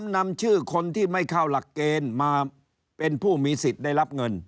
นำชื่อคนที่ไม่เข้าหลักเกณฑ์มาเป็นผู้มีสิทธิ์ได้รับเงิน